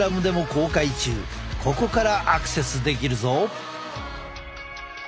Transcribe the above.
ここからアクセスできるぞ！